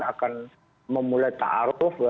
akan memulai ta'aruf